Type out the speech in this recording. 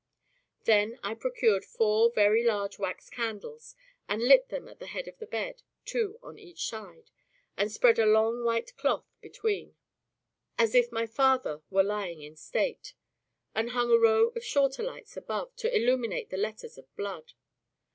Then I procured four very large wax candles, and lit them at the head of the bed, two on each side, and spread a long white cloth between, as if my father were lying in state; and hung a row of shorter lights above, to illuminate the letters of blood.